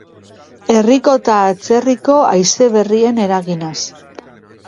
Herriko eta atzerriko haize berrien eraginaz.